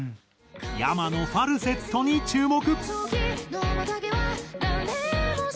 ｙａｍａのファルセットに注目。